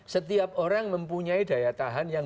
setiap orang mempunyai daya tahan yang